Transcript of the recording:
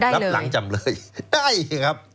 ได้เลยรับหลังจำเลยได้ครับ